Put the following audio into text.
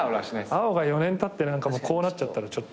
碧が４年たってこうなっちゃったらちょっと。